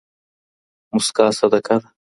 موسکا صدقه ده.